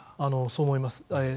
そう思います。